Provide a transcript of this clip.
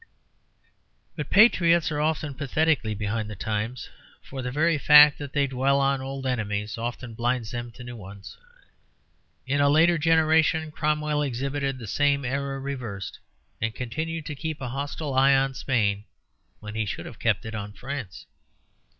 But patriots are often pathetically behind the times; for the very fact that they dwell on old enemies often blinds them to new ones. In a later generation Cromwell exhibited the same error reversed, and continued to keep a hostile eye on Spain when he should have kept it on France.